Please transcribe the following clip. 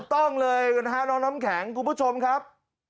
ต้องเลยนะฮะน้องน้ำแข็งคุณผู้ชมครับ